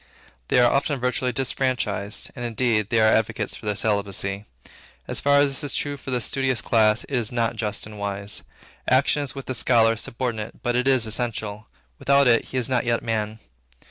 They are often virtually disfranchised; and, indeed, there are advocates for their celibacy. As far as this is true of the studious classes, it is not just and wise. Action is with the scholar subordinate, but it is essential. Without it, he is not yet man.